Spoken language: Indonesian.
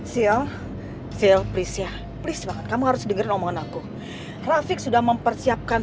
sial sial prisya please banget kamu harus denger omongan aku rafiq sudah mempersiapkan